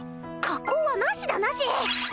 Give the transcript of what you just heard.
加工はなしだなし！